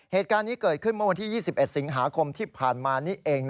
เหตุการณ์นี้เกิดขึ้นเมื่อวันที่๒๑สิงหาคมที่ผ่านมานี่เอง